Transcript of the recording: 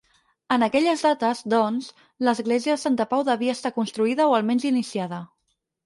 En aquelles dates, doncs, l'església de Santa Pau devia estar construïda o almenys iniciada.